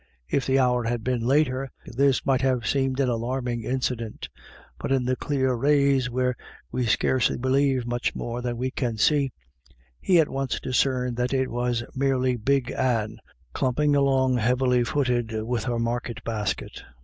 If the hour had been later, this might have seemed an alarming incident, but in the clear rays where we " scarcely believe much more than we can see," he at once discerned that it was merely Big Anne, clumping along heavily footed with her market basket.